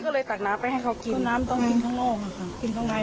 ก็เลยตักน้ำไปให้เขากินน้ำต้องกินข้างนอกค่ะกินข้างใน